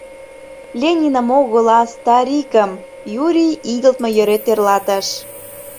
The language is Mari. — Лениным огыл, а Старикым, — Юрий игылтме йӧре тӧрлатыш.